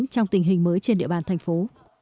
trong tình hình mới trên địa bàn thành phố